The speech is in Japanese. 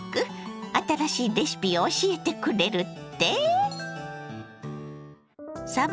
新しいレシピを教えてくれるって？